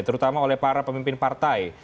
terutama oleh para pemimpin partai